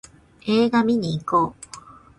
映画見にいこう